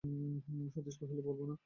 সতীশ কহিল, বলব না!